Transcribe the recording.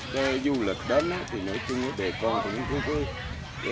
cách du lịch đến nếu chung đề con cũng không có